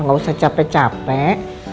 nggak usah capek capek